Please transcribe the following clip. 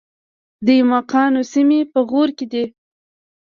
د ایماقانو سیمې په غور کې دي